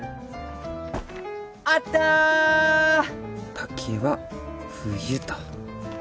竹は冬と。